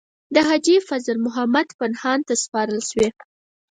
حاجي فضل محمد پنهان ته سپارل شوې.